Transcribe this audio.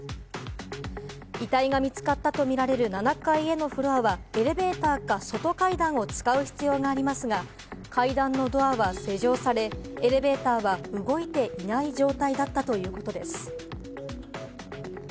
遺体が見つかったとみられる７階のフロアへはエレベーターか外階段を使う必要がありますが、階段のドアは施錠され、エレベーターは動いていない状態だったということです。